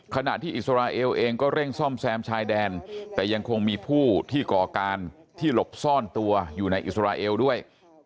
ขณะที่อิสราเอลเองก็เร่งซ่อมแซมชายแดนแต่ยังคงมีผู้ที่ก่อการที่หลบซ่อนตัวอยู่ในอิสราเอลด้วย